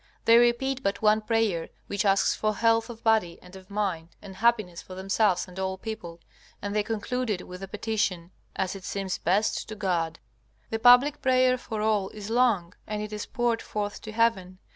They repeat but one prayer, which asks for health of body and of mind, and happiness for themselves and all people, and they conclude it with the petition "As it seems best to God." The public prayer for all is long, and it is poured forth to heaven.